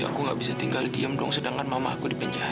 aku gak bisa tinggal diem dong sedangkan mama aku di penjara